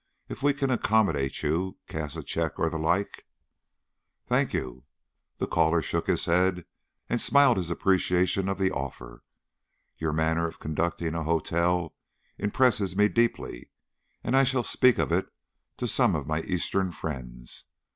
If we can accommodate you cash a check or the like " "Thank you." The caller shook his head and smiled his appreciation of the offer. "Your manner of conducting a hotel impresses me deeply, and I shall speak of it to some of my Eastern friends.